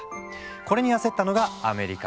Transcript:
これに焦ったのがアメリカ。